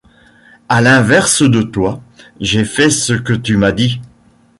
À l’inverse de toi, j’ai fait ce que tu m’as dit.